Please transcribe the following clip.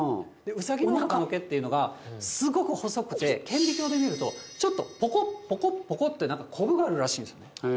ウサギのおなかの毛っていうのが、すごく細くて、顕微鏡で見ると、ちょっとぽこっ、ぽこってなんか、こぶがあるらしいんです。